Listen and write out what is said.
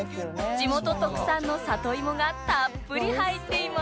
地元特産の里芋がたっぷり入っています